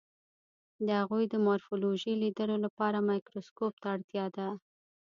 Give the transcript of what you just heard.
د هغوی د مارفولوژي لیدلو لپاره مایکروسکوپ ته اړتیا ده.